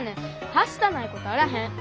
はしたないことあらへん。